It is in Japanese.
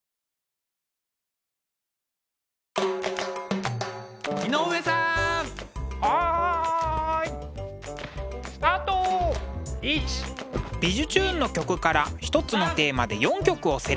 「びじゅチューン！」の曲から一つのテーマで４曲をセレクト。